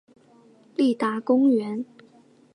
立达公园。